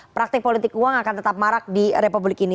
praktik politik uang akan tetap marak di republik ini